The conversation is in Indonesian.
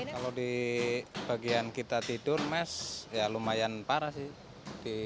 kalau di bagian kita tidur mes ya lumayan parah sih